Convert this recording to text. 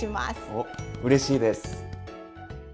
おっうれしいです！